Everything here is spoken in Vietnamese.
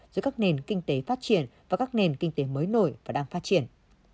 giữa các nền kinh tế phát triển và các nền kinh tế mới nổi và đang phát triển